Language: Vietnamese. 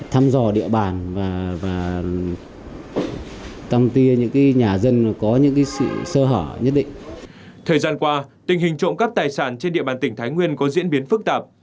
thời gian qua tình hình trộm cắp tài sản trên địa bàn tỉnh thái nguyên có diễn biến phức tạp